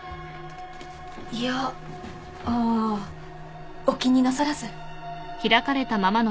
いやあお気になさらず。